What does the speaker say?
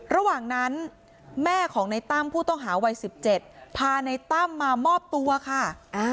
ระหว่างนั้นแม่ของในตั้มผู้ต้องหาวัย๑๗พาในตั้มมามอบตัวค่ะ